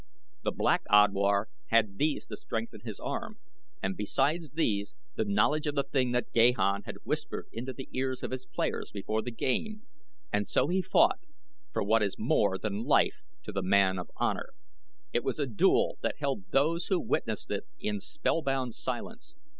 The Black Odwar had these to strengthen his arm, and besides these the knowledge of the thing that Gahan had whispered into the ears of his players before the game, and so he fought for what is more than life to the man of honor. It was a duel that held those who witnessed it in spellbound silence.